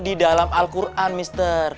di dalam al quran mister